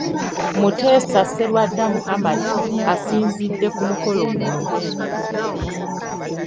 Muteesa Sserwadda Muhammad asinzidde ku mukolo guno.